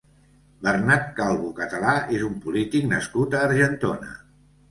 Bernat Calvo Català és un polític nascut a Argentona.